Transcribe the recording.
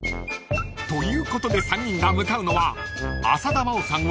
［ということで３人が向かうのは浅田真央さん